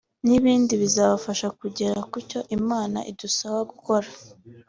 n’ibindi bizabafasha kugera kucyo Imana idusaba gukora